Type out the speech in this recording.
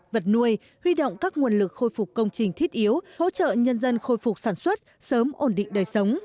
vật nuôi huy động các nguồn lực khôi phục công trình thiết yếu hỗ trợ nhân dân khôi phục sản xuất sớm ổn định đời sống